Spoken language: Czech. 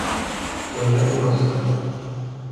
To je neúnosné.